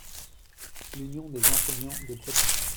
L’Union des Enseignants de Breton.